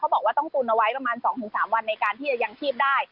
บอกว่าต้องตุนเอาไว้ประมาณ๒๓วันในการที่จะยังชีพได้